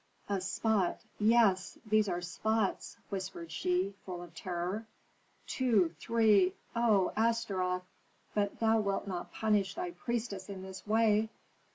"A spot yes, these are spots," whispered she, full of terror. "Two, three O Astaroth, but thou wilt not punish thy priestess in this way!